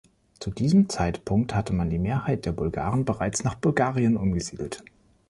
Zu diesem Zeitpunkt hatte man die Mehrheit der Bulgaren bereits nach Bulgarien umgesiedelt.